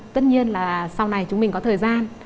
tất nhiên là sau này chúng mình có thời gian